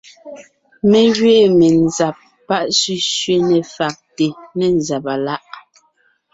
Mé gẅiin menzab pá sẅísẅé ne fàgte ne nzàba láʼ.